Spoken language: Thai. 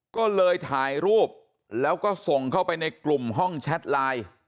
ก็เลยถ่ายรูปแล้วก็ส่งเข้าไปในกลุ่มห้องแชทไลน์